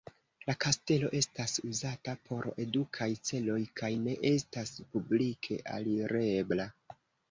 La kastelo estas uzata por edukaj celoj kaj ne estas publike alirebla.